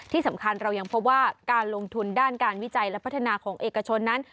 ที่สำคัญเรายังพบว่าการลงทุนด้านการวิจัยและพัฒนาของเอกชนนั้น